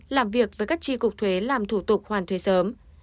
làm việc với các tri cục thuế làm thủ tục hoàn thuế sớm